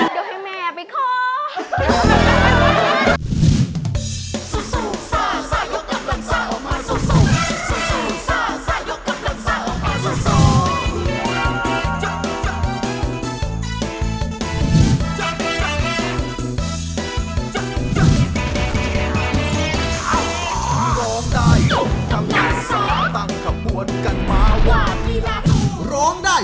เดี๋ยวให้แม่ไปขอ